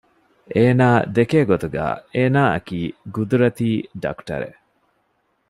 އޭނާ ދެކޭ ގޮތުގައި އޭނާއަކީ ގުދުރަތީ ޑަކުޓަރެއް